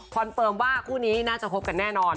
เฟิร์มว่าคู่นี้น่าจะคบกันแน่นอน